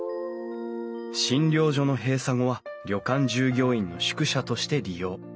診療所の閉鎖後は旅館従業員の宿舎として利用。